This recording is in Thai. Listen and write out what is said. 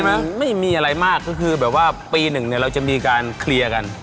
ไม่มีอะไรมากก็คือแบบว่าปีหนึ่งเนี่ยเราจะมีการเคลียร์กัน